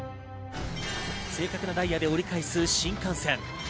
正確なダイヤで折り返す新幹線。